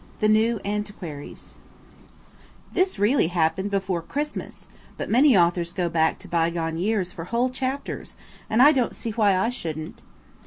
THE YOUNG ANTIQUARIES THIS really happened before Christmas, but many authors go back to bygone years for whole chapters, and I don't see why I shouldn't.